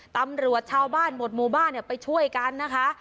ตำรวจชาวบ้านหมดหมู่บ้านไปช่วยกันนะคะ